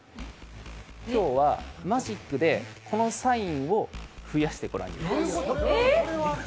今日はマジックでこのサインを増やしてご覧にいれます。